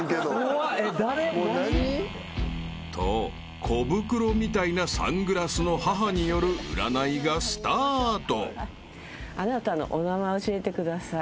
［とコブクロみたいなサングラスの母による占いがスタート］